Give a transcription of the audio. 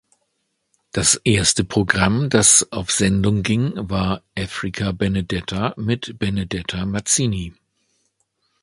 Das erste Programm, das auf Sendung ging, war Africa Benedetta mit Benedetta Mazzini.